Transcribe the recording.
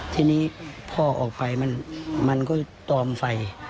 ทีนี้พอออกไปมันก็ตอมไฟ